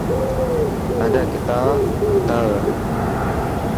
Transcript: تانجا ڪتا ڪتاب هي.